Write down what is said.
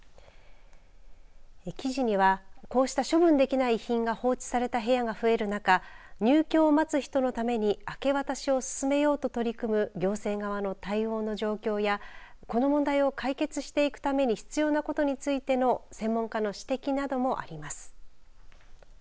記事には、こうした処分できない遺品が放置された部屋が増える中入居を待つ人のために明け渡しを進めようと取り組む行政側の対応の状況やこの問題を解決していくために必要なことについての専門家の指摘などもあります。